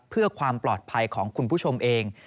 เพื่อความปลอดภัยของคุณผู้ชมเอง